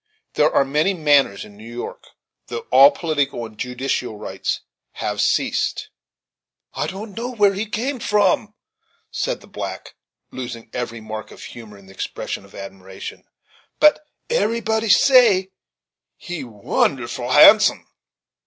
There are many manors in New York though all political and judicial rights have ceased. "I don't know where he come from," said the black, losing every mark of humor in an expression of admiration, "but eb'rybody say, he wounerful handsome."